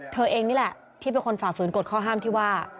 เธอเองนี่แหละที่เป็นคนฝ่าฝืนกฎข้อห้ามที่ว่า